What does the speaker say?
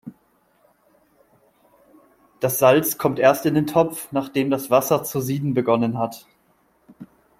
Das Salz kommt erst in den Topf, nachdem das Wasser zu sieden begonnen hat.